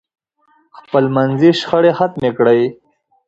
خپل منځي شخړې ختمې کړئ.